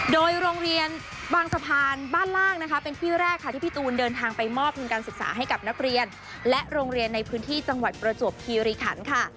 โดยโรงเรียนบางสะพานบ้านล่างนะคะเป็นที่แรกค่ะที่พี่ตูนเดินทางไปมอบทุนการศึกษาให้กับนักเรียนและโรงเรียนในพื้นที่จังหวัดประจวบคีริขันค่ะ